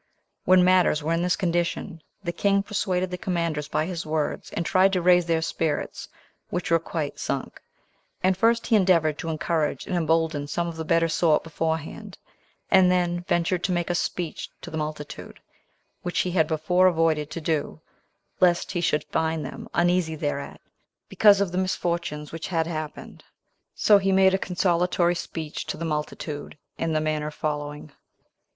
When matters were in this condition, the king persuaded the commanders by his words, and tried to raise their spirits, which were quite sunk; and first he endeavored to encourage and embolden some of the better sort beforehand, and then ventured to make a speech to the multitude, which he had before avoided to do, lest he should find them uneasy thereat, because of the misfortunes which had happened; so he made a consolatory speech to the multitude, in the manner following: 3.